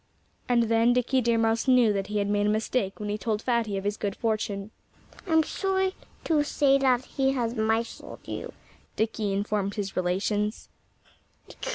And then Dickie Deer Mouse knew that he had made a mistake when he told Fatty of his good fortune. "I'm sorry to say that he has misled you," Dickie informed his relations.